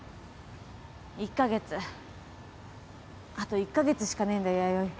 １カ月あと１カ月しかねえんだ弥生。